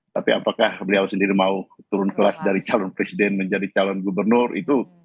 tapi apakah beliau sendiri mau turun kelas dari calon presiden menjadi calon gubernur itu